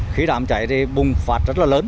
khi đam cháy thì bùng phát